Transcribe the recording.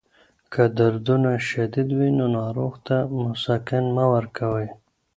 که دردونه شدید وي، نو ناروغ ته مسکن مه ورکوئ.